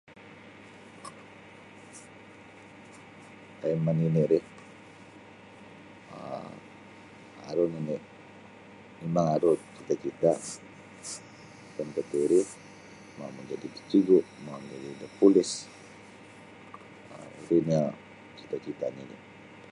Taim manini' ri um aru nini' mimang aru cita'-cita' taim tatiri mau majadi da cigu mau majadi da polis um iri nio cita'-cita' nini'.